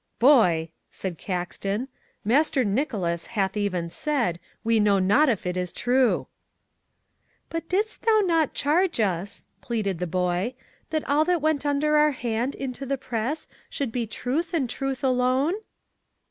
"Boy," said Caxton, "Master Nicholas, hath even said, we know not if it is true." "But didst thou not charge us," pleaded the boy, "that all that went under our hand into the press should be truth and truth alone?"